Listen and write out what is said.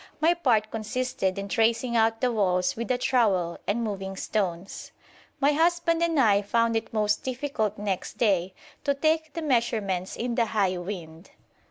My part consisted in tracing out the walls with the trowel and moving stones. My husband and I found it most difficult next day to take the measurements in the high wind.